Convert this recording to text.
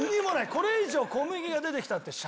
これ以上小麦が出てきたって。